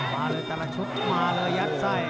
มาเลยแต่ละชุดมาเลยยัดไส้